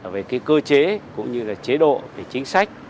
về cơ chế cũng như chế độ chính sách